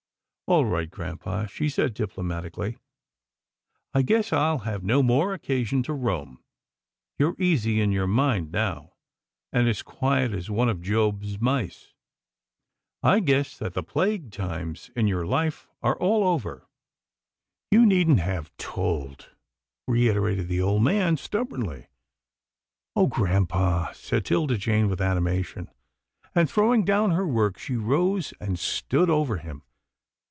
" All right, grampa," she said diplomatically, " I guess I'll have no more occasion to roam. You're easy in your mind now, and as quiet as one of Job's mice. I guess that the plague times in your Hfe are all over." " You needn't have told," reiterated the old man stubbornly. " Oh! grampa," said 'Tilda Jane with animation, and, throwing down her work, she rose and stood over him.